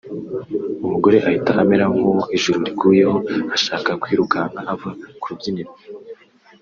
umugore ahita amera nk’uwo ijuru riguyeho ashaka kwirukanka ava ku rubyiniro